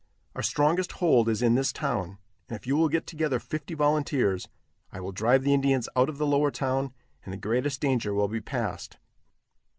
Our strongest hold is in this town, and if you will get together fifty volunteers, I will drive the Indians out of the lower town and the greatest danger will be passed."